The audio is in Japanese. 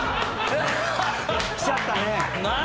きちゃったね。